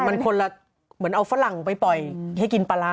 มันคนละเหมือนเอาฝรั่งไปปล่อยให้กินปลาร้า